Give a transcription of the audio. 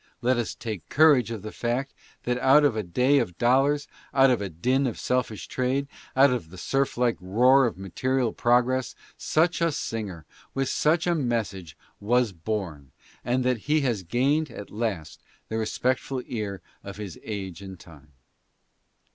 Let us take : irage of the fact that out of a day of dollars, out of a tin ::" selfish :rade, out of the surf like roar of material pro gress, such a singer, with snch a message, was born, and that he has gained at last the respectful ear of his age and time.